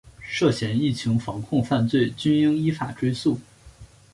涉嫌疫情防控犯罪均应依法追诉